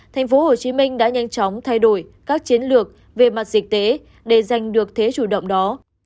tp hcm đã nhanh chóng thay đổi các chiến lược về mặt dịch tế để giành được thế chủ động đó